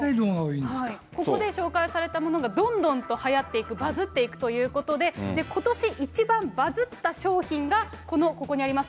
ここで紹介されたものがどんどんとはやっていく、バズっていくということで、ことし一番バズった商品が、この、ここにあります